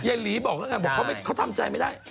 เย็นหลีบอกได้ไงบอกเขาทำใจไม่ได้